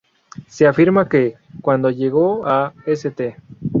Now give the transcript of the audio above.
Se afirma que, cuando llegó a St.